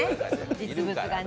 実物がね。